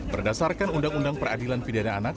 berdasarkan undang undang peradilan pidana anak